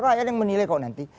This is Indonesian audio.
rakyat yang menilai kok nanti